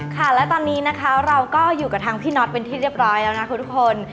ค่ะและตอนนี้นะคะเราก็อยู่กับทางพี่น็อตเป็นที่เรียบร้อยแล้วนะทุกคน